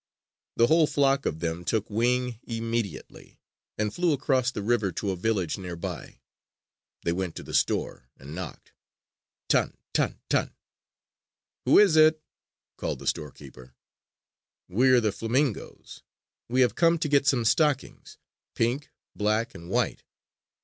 The whole flock of them took wing immediately and flew across the river to a village nearby. They went to the store and knocked: "Tan! Tan! Tan!" "Who is it?" called the storekeeper. "We're the flamingoes. We have come to get some stockings pink, black, and white."